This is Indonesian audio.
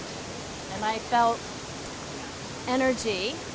dan saya merasa tenaga